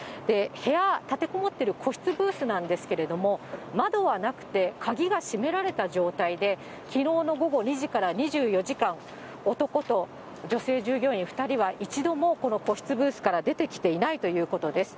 部屋、立てこもっている個室ブースなんですけれども、窓はなくて、鍵が閉められた状態で、きのうの午後２時から２４時間、男と女性従業員２人は一度もこの個室ブースから出てきていないということです。